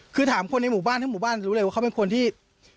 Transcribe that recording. คือถามคนในหมู่บ้านทั้งหมู่บ้านรู้เลยว่าเขาเป็นคนที่